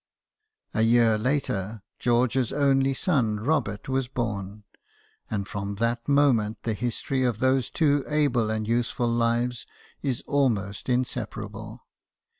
A year later, George's only son Robert was born ; and from that moment the history of those two able and useful lives is almost insepa rable.